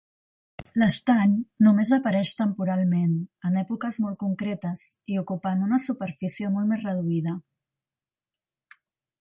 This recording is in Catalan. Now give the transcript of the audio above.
L'estany només apareix temporalment, en èpoques molt concretes, i ocupant una superfície molt més reduïda.